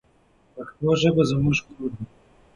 پښتو ژبه زموږ کور دی.